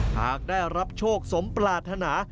หากได้รับโชคสมปรารถนา